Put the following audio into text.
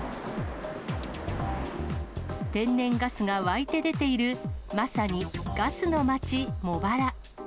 天然ガスが湧いて出ているまさにガスの町、茂原。